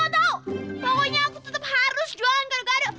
kamu tau pokoknya aku tetep harus jualan gara gara